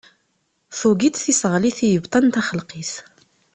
Tugiḍ tiseɣlit i yebḍan taxelqit.